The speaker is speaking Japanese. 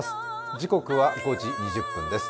時刻は５時２０分です。